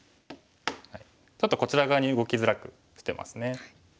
ちょっとこちら側に動きづらくしてますね。